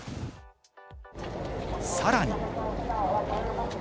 さらに。